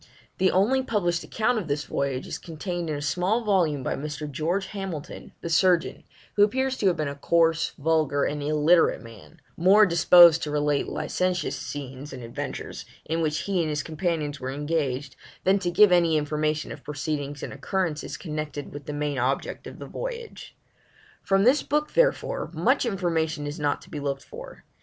The only published account of this voyage is contained in a small volume by Mr. George Hamilton, the surgeon, who appears to have been a coarse, vulgar, and illiterate man, more disposed to relate licentious scenes and adventures, in which he and his companions were engaged, than to give any information of proceedings and occurrences connected with the main object of the voyage. From this book, therefore, much information is not to be looked for.